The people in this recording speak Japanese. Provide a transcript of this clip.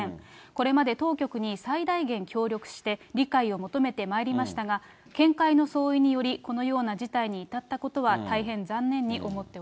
これまで当局に最大限協力して、理解を求めてまいりましたが、見解の相違によりこのような事態に至ったことは大変残念に思って